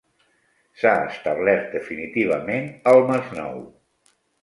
S'ha establert definitivament al Masnou.